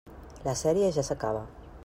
La sèrie ja s'acaba.